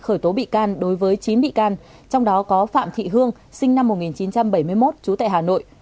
khởi tố bị can đối với chín bị can trong đó có phạm thị hương sinh năm một nghìn chín trăm bảy mươi một trú tại hà nội